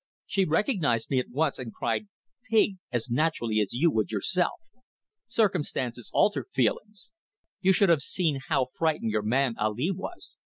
She recognized me at once, and cried "pig" as naturally as you would yourself. Circumstances alter feelings. You should have seen how frightened your man Ali was.